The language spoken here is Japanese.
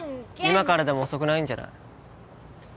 今からでも遅くないんじゃない？